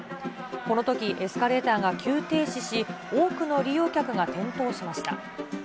このとき、エスカレーターが急停止し、多くの利用客が転倒しました。